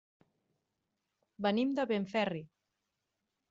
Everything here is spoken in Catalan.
Venim de Benferri.